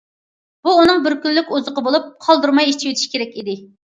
بۇ ئۇنىڭ بىر كۈنلۈك ئوزۇقى بولۇپ، قالدۇرماي ئىچىۋېتىشى كېرەك ئىدى.